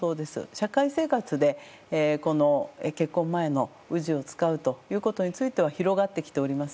社会生活で、この結婚前の氏を使うということについては広がってきております。